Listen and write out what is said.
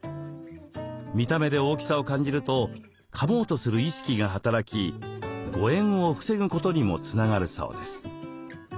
見た目で大きさを感じるとかもうとする意識が働き誤えんを防ぐことにもつながるそうです。